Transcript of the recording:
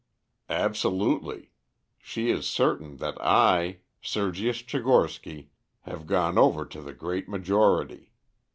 "Absolutely. She is certain that I, Sergius Tchigorsky, have gone over to the great majority.